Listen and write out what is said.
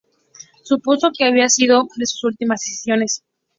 Supuso que había sido una de sus últimas decisiones.